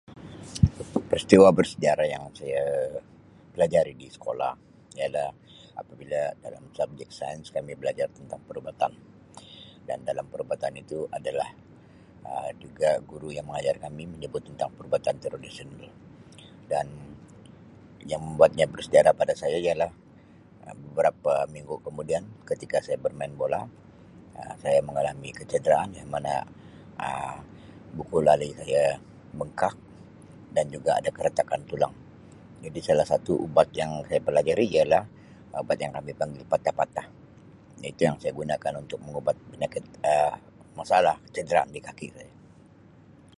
Peristiwa bersejarah yang saya pelajari di sekolah ialah apabila dalam subjek sains kami belajar tentang perubatan dan dalam perubatan itu adalah Um juga guru yang mengajar kami menyebut tentang perubatan tradisional dan yang membuatnya bersejarah pada saya ialah Um beberapa minggu kemudian ketika saya bermain bola Um saya mengalami kecederaan di mana Um buku lali saya bengkak dan juga ada keretakan tulang, jadi salah satu ubat yang saya pelajari ialah ubat yang kami panggil patah-patah, itu yang saya gunakan untuk mengubat penyakit Um masalah kecederaan di kaki saya.